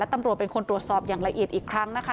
ตำรวจเป็นคนตรวจสอบอย่างละเอียดอีกครั้งนะคะ